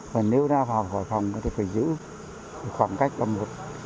và nếu ra khỏi phòng thì phải giữ khoảng cách là một